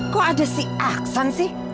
kok ada si aksan sih